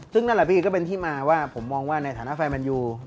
ดูจากทีมมาว่าผมมองว่าในฐานะไฟมันอยู่